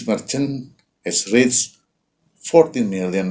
mencapai empat belas juta penjualan